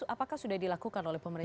apakah sudah dilakukan oleh pemerintah